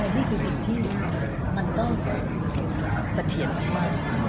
นี่คือสิ่งที่มันก็สะเทียนกันมาก